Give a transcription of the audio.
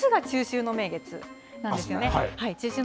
あすが中秋の名月なんですね。